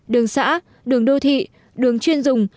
đường xã đường đô thị đường chuyên dùng